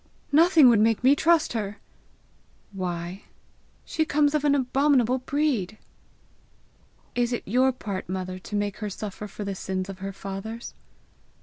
"Nothing would make me trust her!" "Why?" "She comes of an' abominable breed." "Is it your part, mother, to make her suffer for the sins of her fathers?"